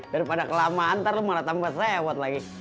daripada kelamaan ntar lu malah tambah sewot lagi